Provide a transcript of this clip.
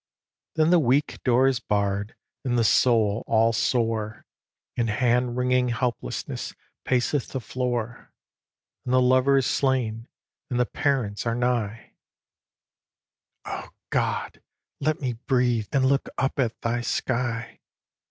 Then the weak door is barr'd, and the soul all sore, And hand wringing helplessness paceth the floor, And the lover is slain, and the parents are nigh Oh God! let me breathe, and look up at thy sky!